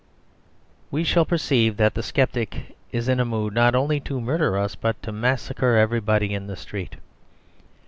We shall perceive that the sceptic is in a mood not only to murder us but to massacre everybody in the street.